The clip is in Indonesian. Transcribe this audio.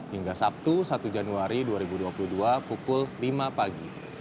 hingga sabtu satu januari dua ribu dua puluh dua pukul lima pagi